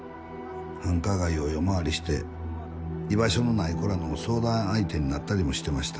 繁華街を夜回りして居場所のない子らの相談相手になったりもしてました。